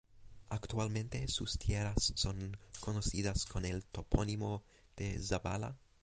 Actualmente sus tierras son conocidas con el topónimo de "Zabala".